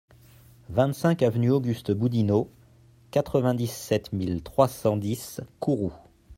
vingt-cinq avenue Auguste Boudinot, quatre-vingt-dix-sept mille trois cent dix Kourou